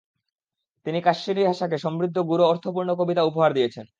তিনি কাশ্মীরি ভাষাকে সমৃদ্ধ গূঢ় অর্থপূর্ণ কবিতা উপহার দিয়েছেন।